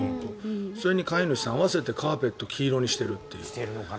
それに飼い主さん合わせてカーペットを黄色にしているという。